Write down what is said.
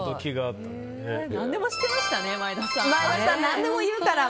何でも知ってましたね前田さん。